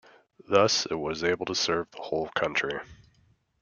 Thus it was able to serve the whole country.